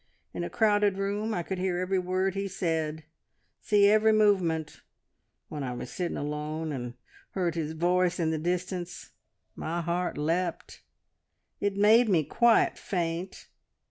In a crowded room I could hear every word he said, see every movement. ... When I was sitting alone, and heard his voice in the distance, my heart leapt it made me quite faint.